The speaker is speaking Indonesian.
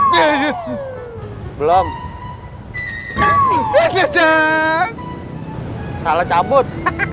belum lama pajak salah cabut